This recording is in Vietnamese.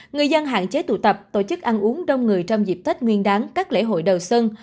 người dân hạn chế tụ tập tổ chức ăn uống đông người trong dịp tết nguyên đáng các lễ hội đầu xuân